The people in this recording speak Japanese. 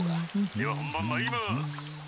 「では本番まいります。